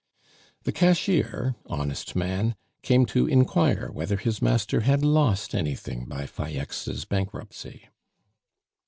The cashier, honest man, came to inquire whether his master had lost anything by Falleix's bankruptcy.